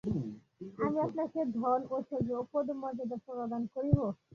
আমি আপনাকে ধন ঐশ্বর্য ও পদমর্যাদা প্রদান করিব।